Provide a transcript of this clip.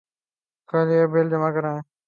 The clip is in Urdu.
کل یہ بل جمع کرادیں